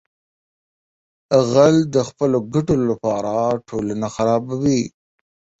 غل د خپلو ګټو لپاره ټولنه خرابوي